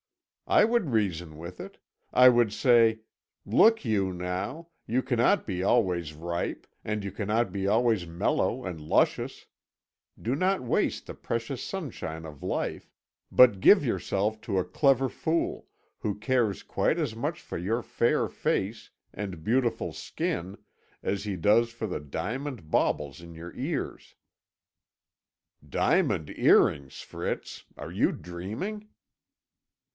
"I would reason with it. I would say, 'Look you now; you cannot be always ripe, you cannot be always mellow and luscious. Do not waste the precious sunshine of life, but give yourself to a clever fool, who cares quite as much for your fair face and beautiful skin as he does for the diamond baubles in your ears.'" "Diamond earrings, Fritz! Are you dreaming?"